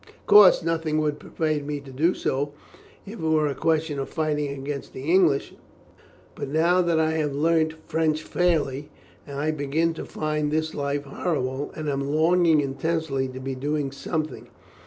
"Of course, nothing would persuade me to do so if it were a question of fighting against the English. But now that I have learnt French fairly, I begin to find this life horrible, and am longing intensely to be doing something.